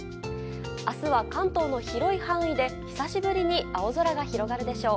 明日は関東の広い範囲で久しぶりに青空が広がるでしょう。